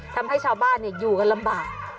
ทำให้ชาวบ้านอยู่กันลำบาก